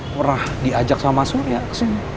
pernah diajak sama suria kesini